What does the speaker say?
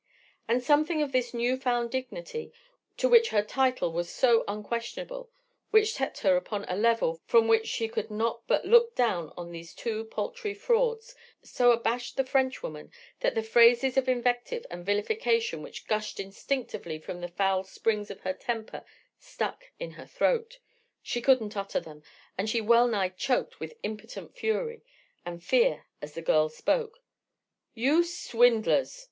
And something of this new found dignity, to which her title was so unquestionable, which set her upon a level from which she could not but look down on these two paltry frauds, so abashed the Frenchwoman that the phrases of invective and vilification which gushed instinctively from the foul springs of her temper stuck in her throat, she couldn't utter them, and she well nigh choked with impotent fury and fear as the girl spoke. "You swindlers!"